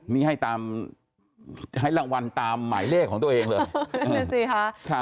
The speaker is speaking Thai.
มีให้ตามให้รางวัลตามหมายเลขของตัวเองเลย